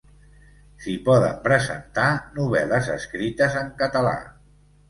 S'hi poden presentar novel·les escrites en català.